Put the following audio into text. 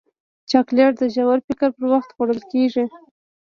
چاکلېټ د ژور فکر پر وخت خوړل کېږي.